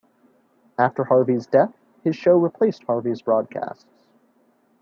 After Harvey's death his show replaced Harvey's broadcasts.